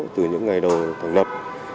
từ những ngày đầu thành lập